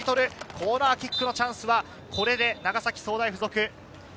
コーナーキックのチャンスはこれで長崎総大附属。